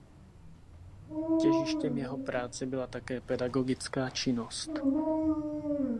Těžištěm jeho práce byla také pedagogická činnost.